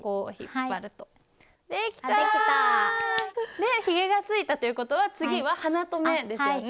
でひげがついたということは次は鼻と目ですよね。